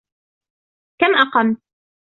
كَم أقمت؟